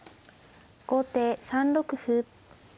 後手３六歩。